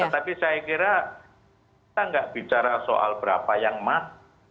tapi saya kira kita nggak bicara soal berapa yang emas